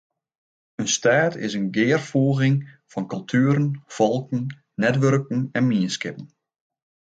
In stêd is in gearfoeging fan kultueren, folken, netwurken en mienskippen.